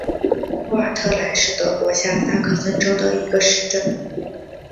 霍尔特兰是德国下萨克森州的一个市镇。